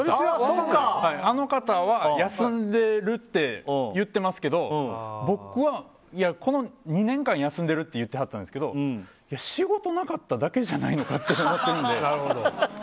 あの方は休んでいるって言ってますけど２年間休んでるって言ってはったんですけど仕事なかっただけじゃないのかって思ってるので。